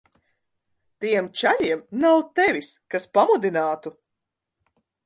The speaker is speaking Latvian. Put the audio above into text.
Tiem čaļiem nav tevis, kas pamudinātu.